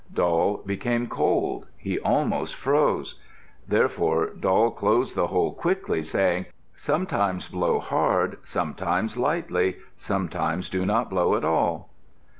Doll became cold; he almost froze. Therefore Doll closed the hole quickly, saying, "Sometimes blow hard, sometimes lightly. Sometimes do not blow at all."